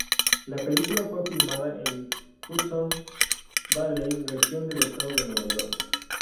La película fue filmada en Hudson Valley, región del estado de Nueva York.